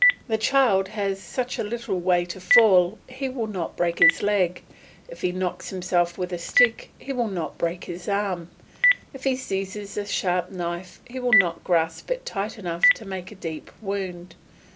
The child has such a little way to fall he will not break his leg; if he knocks himself with a stick he will not break his arm; if he seizes a sharp knife he will not grasp it tight enough to make a deep wound.